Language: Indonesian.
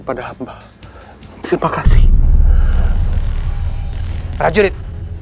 baik ganjeng sunan